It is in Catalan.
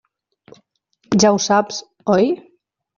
Ja ho saps, oi?